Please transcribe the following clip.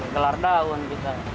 gelar daun kita